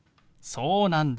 そうなんだ。